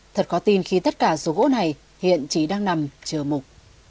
thật khó tin khi tất cả số gỗ này hiện chỉ đang nằm chờ mục